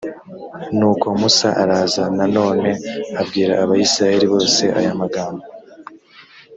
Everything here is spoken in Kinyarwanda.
nuko musa araza nanone abwira abayisraheli bose aya magambo.